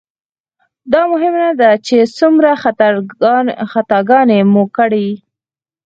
دا مهمه نه ده چې څومره خطاګانې مو کړي.